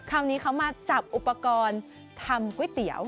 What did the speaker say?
คราวนี้เขามาจับอุปกรณ์ทำก๋วยเตี๋ยว